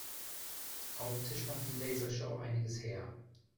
Optisch macht die Lasershow einiges her.